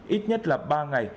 ít nhất là ba ngày